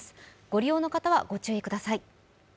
ご利用の方はご注意ください。